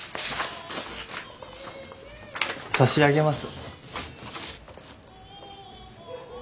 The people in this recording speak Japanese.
差し上げます。